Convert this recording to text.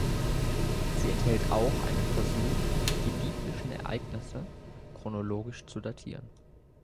Sie enthält auch einen Versuch, die biblischen Ereignisse chronologisch zu datieren.